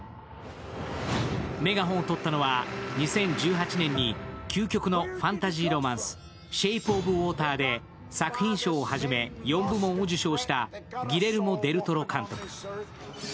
メガホンを取ったのは２０１８年に究極のファンタジーロマンス、「シェイプ・オブ・ウォーター」で作品賞をはじめ４部門を受賞したギレルモ・デル・トロ監督。